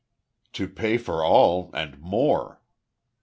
"To pay for all, and more!"